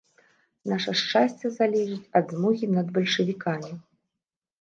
Наша шчасце залежыць ад змогі над бальшавікамі.